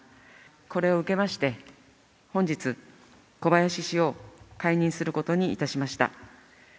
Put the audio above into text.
これを受けまして、本日、小林氏を解任することにいたしました。